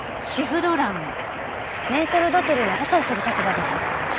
メートル・ドテルの補佐をする立場です。